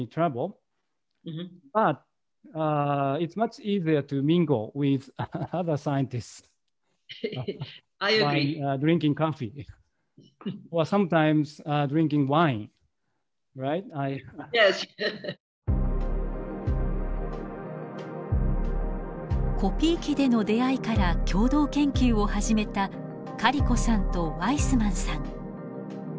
Ｙｅｓ．コピー機での出会いから共同研究を始めたカリコさんとワイスマンさん。